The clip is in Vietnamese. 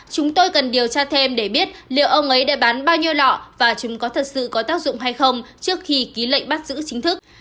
chúng tôi cần điều tra thêm để biết liệu ông ấy đã bán bao nhiêu lọ và chúng có thật sự có tác dụng hay không trước khi ký lệnh bắt giữ chính thức